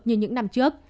như những năm trước